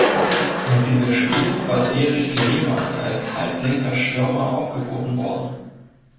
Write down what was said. In diesem Spiel war Erich Lehmann als halblinker Stürmer aufgeboten worden.